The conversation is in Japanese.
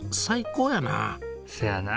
せやな。